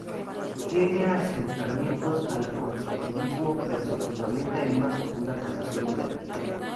Tiene acercamientos al constructivismo, pero se fundamenta en una profunda tradición didáctica.